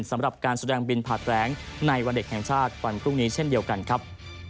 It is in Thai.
สำหรับการแสดงบินผ่านแรงในวันเด็กแห่งชาติวันพรุ่งนี้เช่นเดียวกันครับ